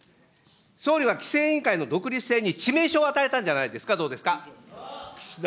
総理は規制委員会の独立性に致命傷を与えたんじゃないですか、ど岸田